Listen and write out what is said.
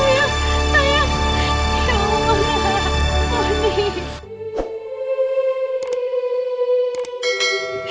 terus kapan nikah nih